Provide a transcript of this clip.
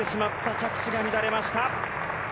着地が乱れました。